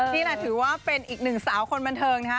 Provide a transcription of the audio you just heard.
นี่แหละถือว่าเป็นอีกหนึ่งสาวคนบันเทิงนะฮะ